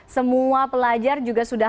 semua pelajar juga sudah